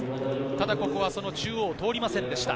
ただここは中央を通りませんでした。